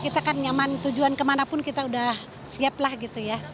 kita kan nyaman tujuan kemanapun kita udah siap lah gitu ya